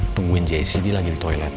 tungguin jscd lagi di toilet